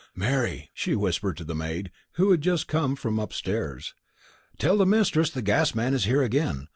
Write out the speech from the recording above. "Mary," she whispered to the maid, who had just come down from upstairs, "run tell the Mistress the gas man is here again.